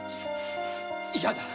嫌だ！